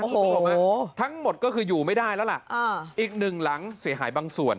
คุณผู้ชมทั้งหมดก็คืออยู่ไม่ได้แล้วล่ะอีกหนึ่งหลังเสียหายบางส่วน